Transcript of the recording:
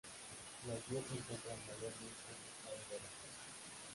Las vías se encuentran mayormente en estado de abandono.